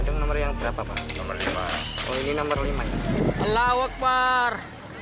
nomor yang berapa ini nomor lima allah akbar allah akbar allah akbar